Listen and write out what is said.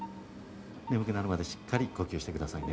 眠くなるまでしっかり呼吸してくださいね。